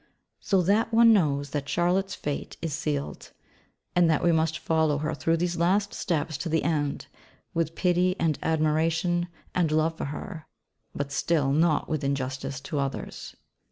So that one knows that Charlotte's fate is sealed: and that we must follow her through these last steps to the end, with pity and admiration and love for her but still not with injustice to others.